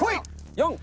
「４」！